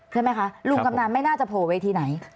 ใช่ไหมคะลุงกำนันไม่น่าจะโผล่เวทีไหน